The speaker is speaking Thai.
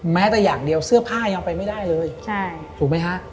แม้แต่อย่างเดียวเสื้อผ้ายังไปไม่ได้เลยถูกไหมฮะ